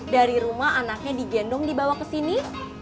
dari rumah anaknya digendong dibawa kesini